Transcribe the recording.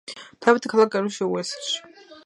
დაიბადა ქალაქ კარდიფში, უელსში.